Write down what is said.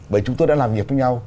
bởi chúng tôi đã làm việc với nhau